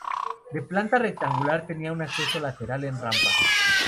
De planta rectangular, tenía acceso lateral en rampa.